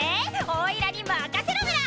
おいらにまかせろメラ！